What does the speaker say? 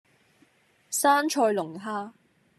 生菜龍蝦